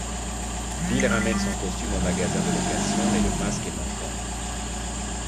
Bill ramène son costume au magasin de location, mais le masque est manquant.